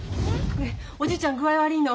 おじいちゃん具合悪いの。